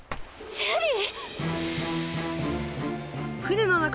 ジェリー！